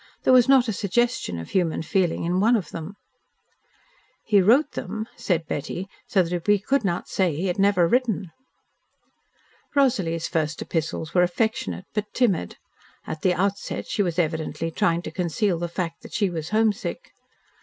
There was not a suggestion of human feeling in one of them. "He wrote them," said Betty, "so that we could not say that he had never written." Rosalie's first epistles were affectionate, but timid. At the outset she was evidently trying to conceal the fact that she was homesick.